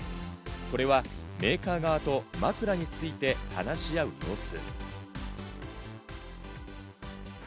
これはメーカー側と枕について話し合う様子。